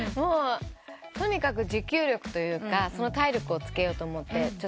とにかく持久力というか体力をつけようと思って。